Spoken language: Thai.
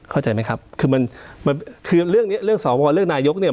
เข้าใจไหมครับคือมันคือเรื่องนี้เรื่องสวเรื่องนายกเนี่ย